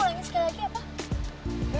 coba ulangin sekali lagi ya pak